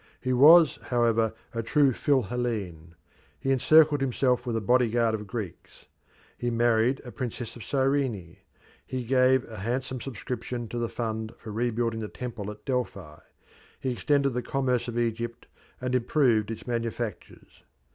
He was, however, a true Phil Hellene; he encircled himself with a bodyguard of Greeks; he married a princess of Cyrene; he gave a handsome subscription to the fund for rebuilding the temple at Delphi; he extended the commerce of Egypt and improved its manufactures.